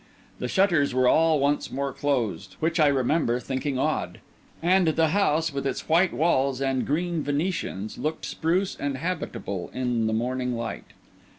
The shutters were all once more closed, which I remember thinking odd; and the house, with its white walls and green venetians, looked spruce and habitable in the morning light.